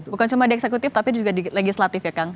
bukan cuma di eksekutif tapi juga di legislatif ya kang